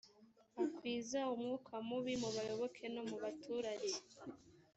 akwiza umwuka mubi mu bayoboke no mu baturage